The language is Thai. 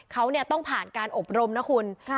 เขาต้องผ่านการอบรมนะคุณ